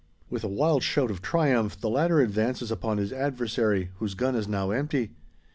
With a wild shout of triumph, the latter advances upon his adversary, whose gun is now empty.